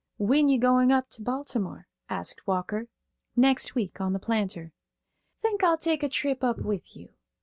"When you going up to Baltimore?" asked Walker. "Next week, on 'The Planter.'" "Think I'll take a trip up with you.